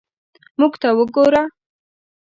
موږ ته وګوره.